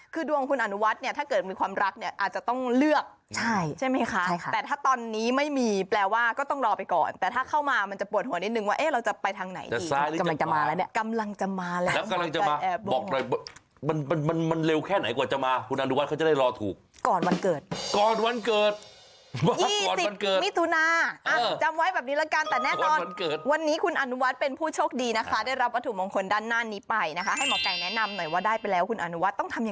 คือดวงคุณอนุวัฒน์เนี่ยถ้าเกิดมีความรักเนี่ยอาจจะต้องเลือกใช่ใช่ไหมคะใช่ค่ะแต่ถ้าตอนนี้ไม่มีแปลว่าก็ต้องรอไปก่อนแต่ถ้าเข้ามามันจะปวดหัวนิดหนึ่งว่าเอ๊ะเราจะไปทางไหนดีจะซ้ายหรือจะฟ้ากำลังจะมาแล้วเนี่ยกำลังจะมาแล้วกำลังจะมาบอกหน่อยมันมันมันมันเร็วแค่ไหนกว่าจะมา